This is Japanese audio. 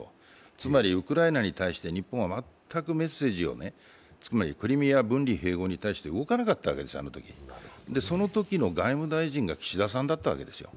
つまりウクライナに対して日本は全くメッセージをね、つまりクリミア分離併合に対して動かなかったわけですよ、あのときそのときの外務大臣が岸田さんだったわけです。